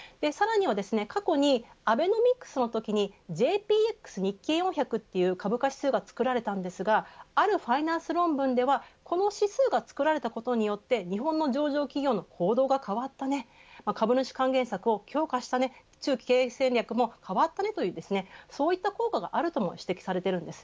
過去にアベノミクスのときにＪＰＸ日経４００という株価指数が作られましたがあるファイナンス論文ではこの指数が作られたことによって日本の上場企業の行動が変わった株主還元策を強化した中期経営戦略も変わったということがあるとも指摘されています。